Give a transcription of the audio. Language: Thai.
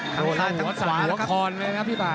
ดูหัวสนหัวคอนไหมครับพี่ป้า